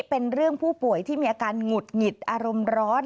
เป็นเรื่องผู้ป่วยที่มีอาการหงุดหงิดอารมณ์ร้อน